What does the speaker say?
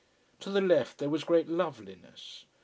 To the left there was great loveliness.